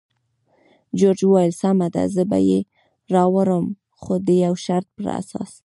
جورج وویل: سمه ده، زه به یې راوړم، خو د یو شرط پر اساس.